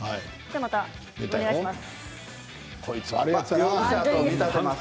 またお願いします。